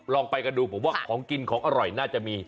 ลองไปกันดูผมว่าของกินของอร่อยน่าจะมี